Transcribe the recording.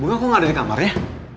gue kok gak ada di kamarnya